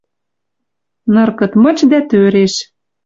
Ныр кыт мыч дӓ тӧреш.